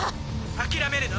諦めるの？